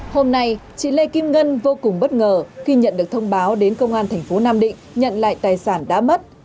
hôm nay chị lê kim ngân vô cùng bất ngờ khi nhận được thông báo đến công an thành phố nam định nhận lại tài sản đã mất